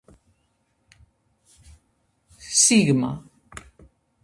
სიგმა